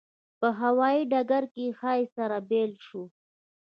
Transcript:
په هوایي ډګر کې ښایي سره بېل شو.